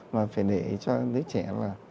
mà phải để cho đứa trẻ là